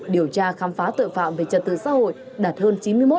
điều tra khám phá tội phạm về trật tự xã hội đạt hơn chín mươi một